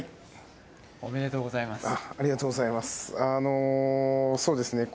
おめでとうございます